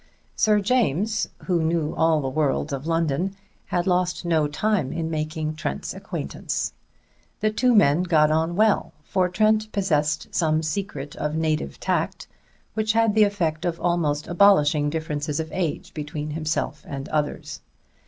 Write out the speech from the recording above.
Sir James, who knew all the worlds of London, had lost no time in making Trent's acquaintance. The two men got on well; for Trent possessed some secret of native tact which had the effect of almost abolishing differences of age between himself and others.